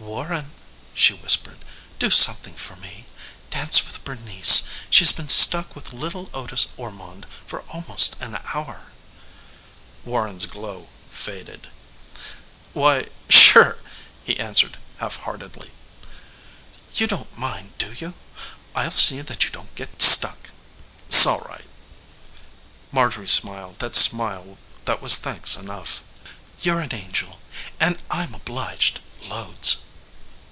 "Warren," she whispered "do something for me dance with Bernice. She's been stuck with little Otis Ormonde for almost an hour." Warren's glow faded. "Why sure," he answered half heartedly. "You don't mind, do you? I'll see that you don't get stuck." "'Sall right." Marjorie smiled that smile that was thanks enough. "You're an angel, and I'm obliged loads."